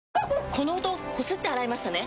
この音こすって洗いましたね？